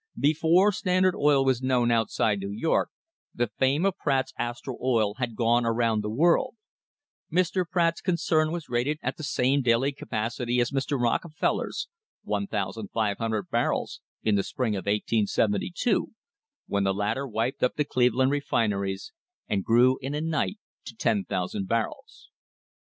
Before Standard Oil was known outside of New York the fame of Pratt's Astral Oil had gone around the world. Mr. Pratt's concern was rated at the same daily capacity as Mr. Rockefeller's (1,500 barrels) in the spring of 1872, when the latter wiped up the Cleveland refineries and grew in a night to 10,000 barrels.